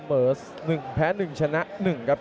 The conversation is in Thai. สวัสดิ์นุ่มสตึกชัยโลธสวัสดิ์